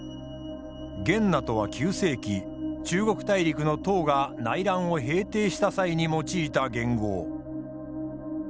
元和とは９世紀中国大陸の唐が内乱を平定した際に用いた元号。